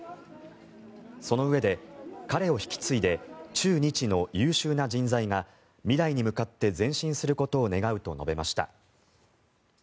そのうえで、彼を引き継いで中日の優秀な人材が未来に向かって前進することを願うと述べました。